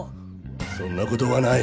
そんなことはない。